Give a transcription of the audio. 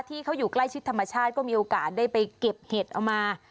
ที่เขาอยู่ใกล้ชิดธรรมชาติก็มีโอกาสได้ไปเก็บเห็ดเอามา